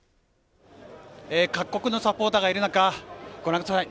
各国のサポーターがいる中ご覧ください。